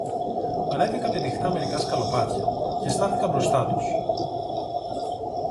Ανέβηκα πηδηχτά μερικά σκαλοπάτια, και στάθηκα μπροστά τους.